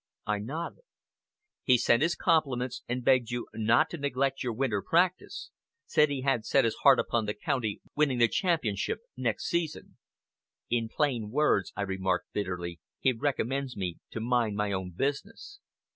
I nodded. "He sent his compliments, and begged you not to neglect your winter practice. Said he had set his heart upon the county winning the championship next season!" "In plain words," I remarked bitterly, "he recommends me to mind my own business."